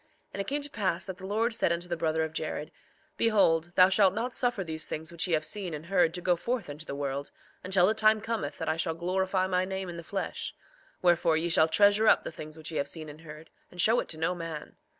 3:21 And it came to pass that the Lord said unto the brother of Jared: Behold, thou shalt not suffer these things which ye have seen and heard to go forth unto the world, until the time cometh that I shall glorify my name in the flesh; wherefore, ye shall treasure up the things which ye have seen and heard, and show it to no man.